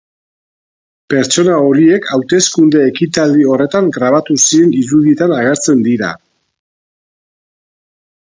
Pertsona horiek hauteskunde ekitaldi horretan grabatu ziren irudietan agertzen dira.